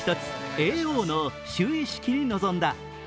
叡王の就位式にのぞんだ。